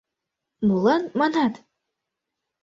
— Молан, манат?